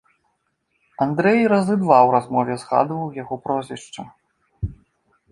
Андрэй разы два ў размове згадваў яго прозвішча.